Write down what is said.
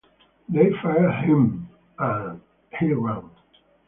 They fired at him, and he ran.